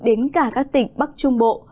đến cả các tỉnh bắc trung bộ